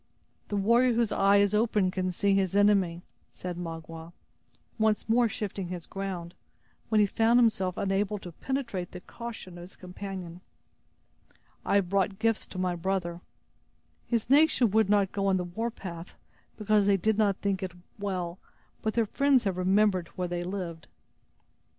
The warrior whose eye is open can see his enemy," said Magua, once more shifting his ground, when he found himself unable to penetrate the caution of his companion. "I have brought gifts to my brother. His nation would not go on the warpath, because they did not think it well, but their friends have remembered where they lived."